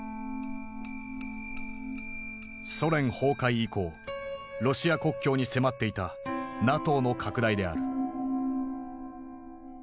ソ連崩壊以降ロシア国境に迫っていたＮＡＴＯの拡大である。